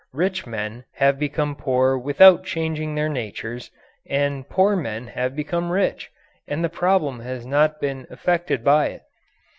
Rich men have become poor without changing their natures, and poor men have become rich, and the problem has not been affected by it.